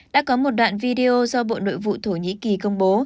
đã có một đoạn video do bộ nội vụ thổ nhĩ kỳ công bố